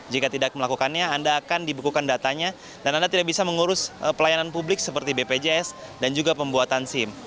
jika tidak melakukannya anda akan dibekukan datanya dan anda tidak bisa mengurus pelayanan publik seperti bpjs dan juga pembuatan sim